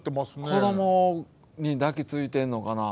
子どもに抱きついてんのかな。